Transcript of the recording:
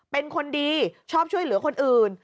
เป็นคนดีชอบช่วยเหลือคนอื่น